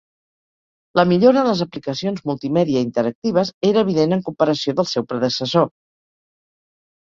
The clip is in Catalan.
La millora en les aplicacions multimèdia interactives era evident en comparació del seu predecessor.